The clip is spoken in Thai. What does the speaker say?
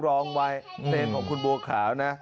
ร้องไว้เพลงของคุณบัวขาวนะ